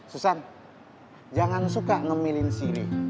susan jangan suka ngemilin sini